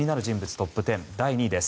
トップ１０第２位です。